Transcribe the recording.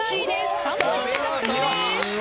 ３ポイント獲得です。